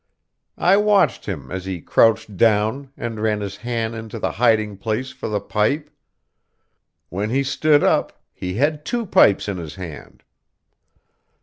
I watched him as he crouched down, and ran his hand into the hiding place for the pipe. When he stood up, he had two pipes in his hand.